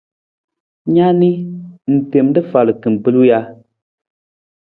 Na ni, ng tem rafal kimbilung ja?